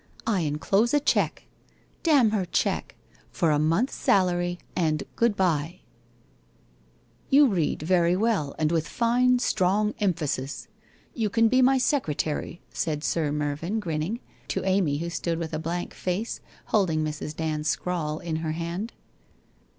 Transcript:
I enclose a cheque." — damn her cheque! — "for a month's salary, and good bye." '* You read very well and with fine strong emphasis ! You can be my secretary,' said Sir Mervyn grinning, to Amy who 6tood with a blank face, holding Mrs. Dand's scrawl in her hand.